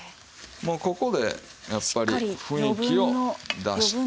もうここでやっぱり雰囲気を出して。